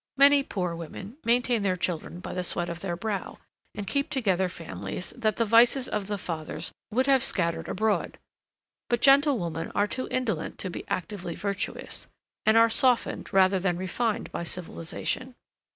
Many poor women maintain their children by the sweat of their brow, and keep together families that the vices of the fathers would have scattered abroad; but gentlewomen are too indolent to be actively virtuous, and are softened rather than refined by civilization.